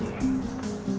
semoga allah berkata ji